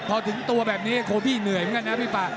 พอถึงตัวแบบนี้โคบี้เหนื่อยเหมือนกันนะพี่ป่า